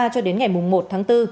cho đến ngày một tháng bốn